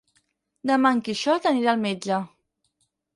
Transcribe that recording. Demà en Quixot anirà al metge.